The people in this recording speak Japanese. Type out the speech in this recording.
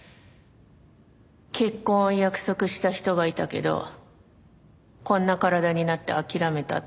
結婚を約束した人がいたけどこんな体になって諦めたって。